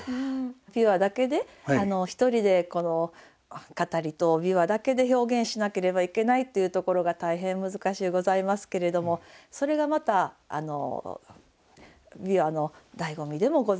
琵琶だけで一人で語りと琵琶だけで表現しなければいけないっていうところが大変難しゅうございますけれどもそれがまた琵琶の醍醐味でもございます。